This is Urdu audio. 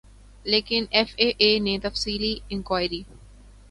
لیکن ایف اے اے نے تفصیلی انکوائری